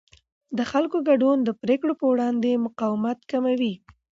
د خلکو ګډون د پرېکړو پر وړاندې مقاومت کموي